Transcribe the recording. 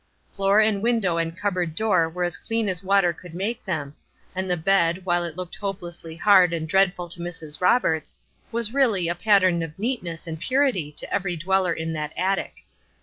Floor and window and cupboard door were as clean as water could make them; and the bed, while it looked hopelessly hard and dreadful to Mrs. Roberts, was really a pattern of neatness and purity to every dweller in that attic.